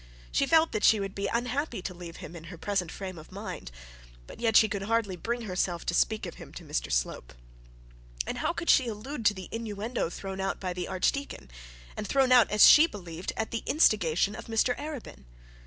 She felt that she would be unhappy to leave him in her present frame of mind; but yet she could hardly bring herself to speak to him of Mr Slope. And how could she allude to the innuendo thrown out by the archdeacon, and thrown out, as she believed, at the instigation of Mr Arabin?